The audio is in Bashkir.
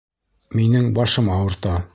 Минең башым ауырта!